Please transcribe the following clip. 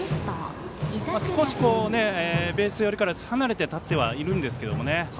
少しベース寄りから離れて立ってはいるんですけどね。